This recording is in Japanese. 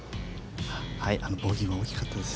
ボギーも大きかったです。